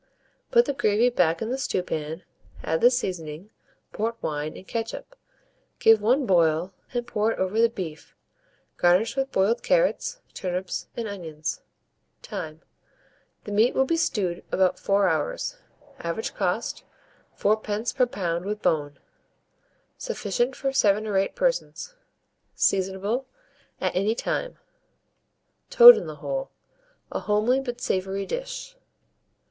Put the gravy back in the stewpan, add the seasoning, port wine, and ketchup, give one boil, and pour it over the beef; garnish with the boiled carrots, turnips, and onions. Time. The meat to be stewed about 4 hours. Average cost, 4d. per lb. with bone. Sufficient for 7 or 8 persons. Seasonable at any time. TOAD IN THE HOLE (a Homely but Savoury Dish).